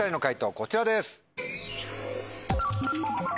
こちらです。